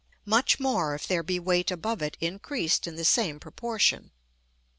much more if there be weight above it increased in the same proportion.